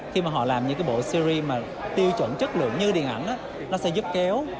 khi mà họ làm những cái bộ series mà tiêu chuẩn chất lượng như điện ảnh nó sẽ giúp kéo